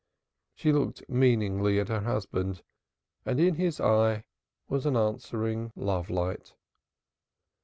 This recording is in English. She looked meaningly at her husband, and in his eye was an answering love light.